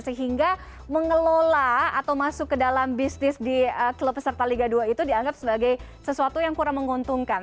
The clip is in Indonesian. sehingga mengelola atau masuk ke dalam bisnis di klub peserta liga dua itu dianggap sebagai sesuatu yang kurang menguntungkan